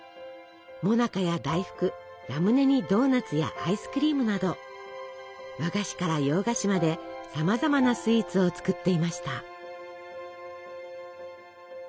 もなかや大福ラムネにドーナツやアイスクリームなど和菓子から洋菓子までさまざまなスイーツを作っていました。